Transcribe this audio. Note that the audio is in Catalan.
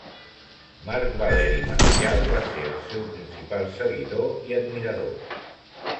Marc Valeri Marcial va ser el seu principal seguidor i admirador.